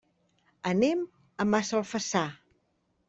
Anem a Massalfassar.